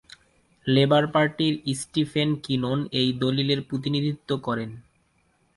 Labour পার্টির Stephen Kinnock এই দলের প্রতিনিধিত্ব করেন।